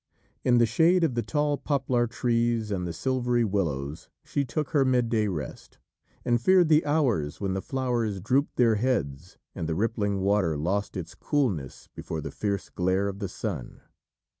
In the shade of the tall poplar trees and the silvery willows she took her midday rest, and feared the hours when the flowers drooped their heads and the rippling water lost its coolness before the fierce glare of the sun.